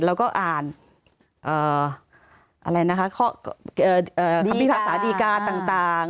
เราก็อ่านภาษาดีการต่าง